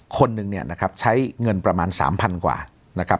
คนหนึ่งใช้เงินประมาณ๓๐๐๐กว่า